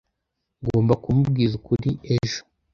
Ngomba kumubwiza ukuri ejo.